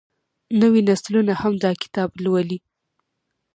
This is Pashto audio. نوې نسلونه هم دا کتاب لولي.